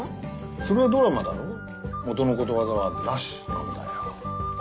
それはドラマだろもとのことわざは「なし」なんだよ。